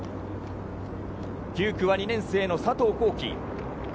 ９区は２年生の佐藤航希。